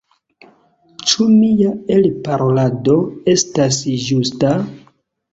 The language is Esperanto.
Ĉu mia elparolado estas ĝusta?